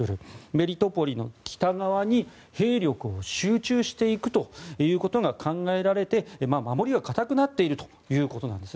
メリトポリの北側に兵力を集中していくということが考えられて、守りは堅くなっているということです。